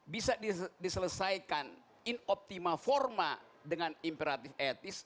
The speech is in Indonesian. bisa diselesaikan in optima forma dengan imperatif etis